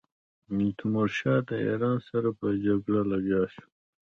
تیمورشاه د ایران سره په جګړه لګیا شو.